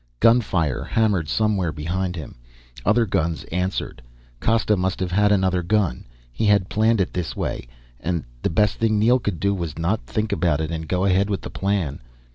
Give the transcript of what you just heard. Gunfire hammered somewhere behind him; other guns answered. Costa must have had another gun. He had planned it this way and the best thing Neel could do was not to think about it and go ahead with the plan.